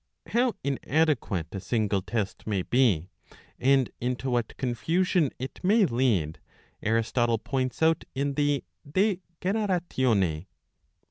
How inadequate a single test may be, and into what confusion it may lead, Aristotle points out in the De Generatione (ii.